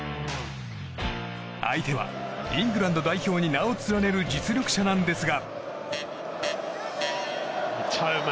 相手はイングランド代表に名を連ねる実力者なんですが。